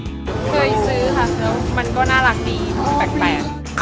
เคยซื้อค่ะซื้อมันก็น่ารักดีแปลก